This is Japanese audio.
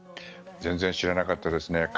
全然知らなかったですね。